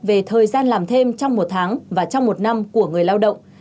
về thời gian làm thêm trong một tháng và trong một năm của người lao động